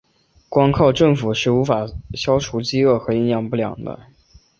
光靠政府是无法消除饥饿和营养不良的。